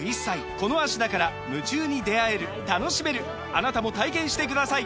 あなたも体験してください！